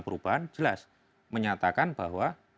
perubahan jelas menyatakan bahwa